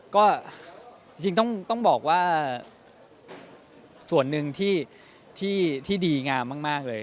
ก็จริงต้องบอกว่าส่วนหนึ่งที่ดีงามมากเลย